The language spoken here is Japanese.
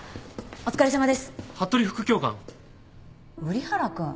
お疲れさまです。